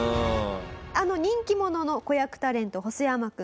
あの人気者の子役タレント細山くん。